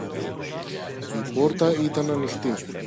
Η πόρτα ήταν ανοιχτή.